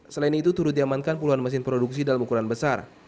selain itu turut diamankan puluhan mesin produksi dalam ukuran besar